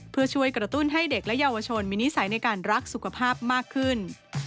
เพื่อช่วยกระตุ้นให้เด็กและเยาวชนมีนิสัยในการรักสุขภาพมากขึ้น